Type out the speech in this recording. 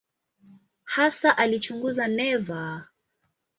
Hasa alichunguza neva.